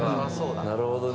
なるほどね。